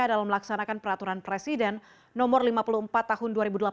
dalam melaksanakan peraturan presiden nomor lima puluh empat tahun dua ribu delapan belas